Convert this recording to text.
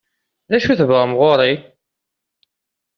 D acu i tebɣam ɣur-i?